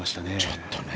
ちょっとね。